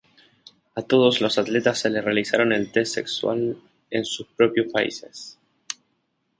A todos los atletas se les realizaron el test sexual en sus propios países.